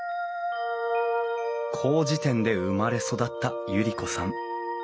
こうじ店で生まれ育った百合子さん。